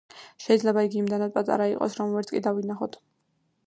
შეიძლება იგი იმდენად პატარა იყოს რომ ვერც კი დავინახოთ.